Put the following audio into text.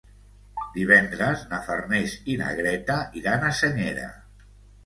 Divendres na Farners i na Greta iran a Senyera.